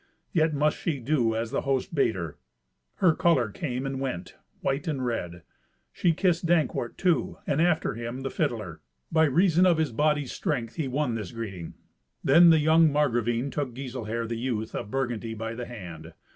Yet must she do as the host bade her. Her colour came and went, white and red. She kissed Dankwart, too, and, after him, the fiddler. By reason of his body's strength he won this greeting. Then the young Margravine took Giselher, the youth, of Burgundy by the hand.